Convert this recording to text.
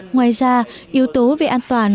ngoài ra yếu tố về an toàn